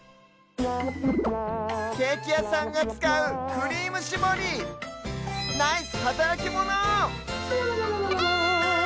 ケーキやさんがつかうクリームしぼりナイスはたらきモノ！